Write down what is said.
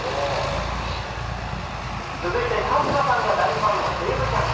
続いて春日さんが大ファンの西武キャンプ。